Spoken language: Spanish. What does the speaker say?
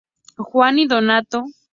Juan y Donato.